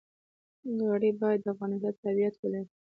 غړي باید د افغانستان تابعیت ولري.